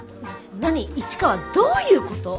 何市川どういうこと？